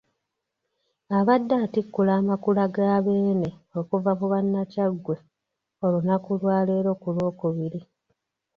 Abadde atikkula Amakula ga Beene okuva mu bannakyaggwe olunaku lwa leero ku Lwokubiri.